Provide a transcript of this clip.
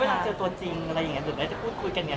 แล้วเวลาเจอตัวจริงอะไรอย่างเงี้ยถึงแล้วจะพูดคุยกันอย่างเงี้ย